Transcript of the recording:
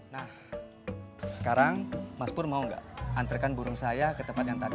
nah sekarang mas purnomo enggak antarkan burung saya ke tempat yang tadi